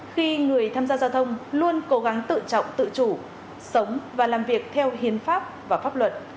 khi người tham gia giao thông luôn cố gắng tự trọng tự chủ sống và làm việc theo hiến pháp và pháp luật